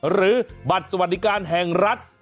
หรือบัตรสวัสดิการแห่งรัฐ